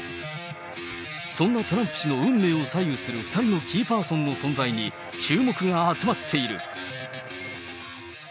そんなトランプ氏の運命を左右する２人のキーパーソンの存在に、注目が集まっている。